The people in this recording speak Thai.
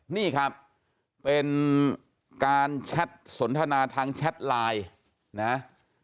นี่ครับเป็นการแชทสนทนาทางแชทไลน์นะ